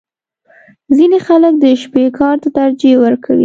• ځینې خلک د شپې کار ته ترجیح ورکوي.